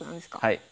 はい。